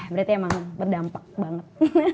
berarti emang berdampak banget